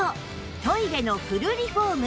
トイレのフルリフォーム